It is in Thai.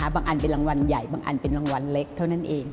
อันเป็นรางวัลใหญ่บางอันเป็นรางวัลเล็กเท่านั้นเอง